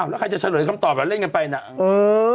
แล้วใครจะเฉลยคำตอบแล้วเล่นกันไปน่ะเออ